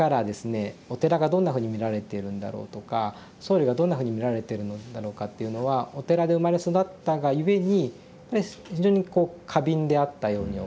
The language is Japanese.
お寺がどんなふうに見られているんだろうとか僧侶がどんなふうに見られているのだろうかというのはお寺で生まれ育ったが故に非常にこう過敏であったように思います。